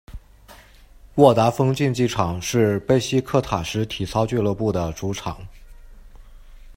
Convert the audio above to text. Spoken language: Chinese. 沃达丰竞技场是贝西克塔什体操俱乐部的主场。